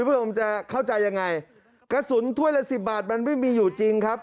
คุณผู้ชมจะเข้าใจยังไงกระสุนถ้วยละสิบบาทมันไม่มีอยู่จริงครับ